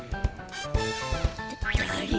だだれ？